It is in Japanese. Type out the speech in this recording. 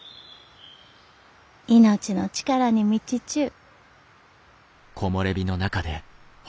命の力に満ちちゅう。